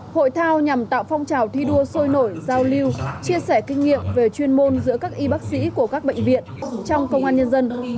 hội thao nhằm tạo phong trào thi đua sôi nổi giao lưu chia sẻ kinh nghiệm về chuyên môn giữa các y bác sĩ của các bệnh viện trong công an nhân dân